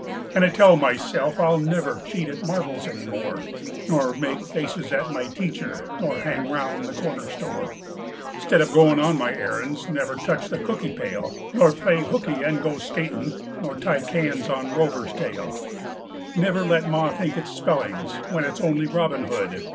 An' I tell myself I'll never Cheat at marbles any more, Nor make faces at my teacher, Nor hang round the corner store 'Stead of goin' on my errands; Never touch the cookie pail, Nor play hooky an' go skatin', Nor tie cans on Rover's tail; Never let ma think it's spellings When it's only Robin Hood.